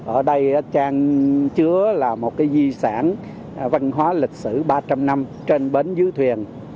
ở đây trang chứa là một di sản văn hóa lịch sử ba trăm linh năm trên bến dưới thuyền